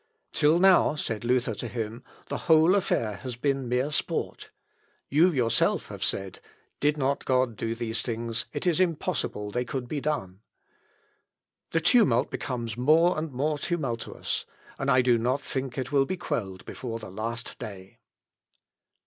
"Till now," said Luther to him, "the whole affair has been mere sport. You yourself have said, 'did God not do these things it is impossible they could by done.' The tumult becomes more and more tumultuous! and I do not think it will be quelled before the last day."